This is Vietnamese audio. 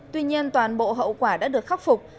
tuy nhiên toàn bộ hậu quả đã được khắc phục